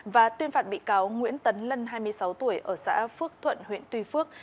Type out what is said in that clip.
và tuyên phạt bị cáo nguyễn tấn lân hai mươi sáu tuổi ở xã phước thuận huyện tuy phước